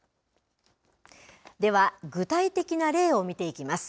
では、具体的な例を見ていきます。